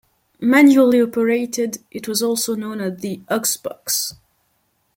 Manually operated, it was also known as the Ox Box.